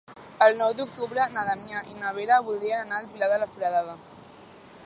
El nou d'octubre na Damià i na Vera voldrien anar al Pilar de la Foradada.